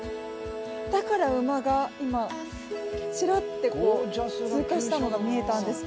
だから馬が今ちらって通過したのが見えたんですけど。